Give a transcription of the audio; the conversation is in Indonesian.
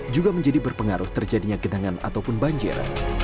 juga menjadi berpengaruh terjadinya genangan ataupun banjir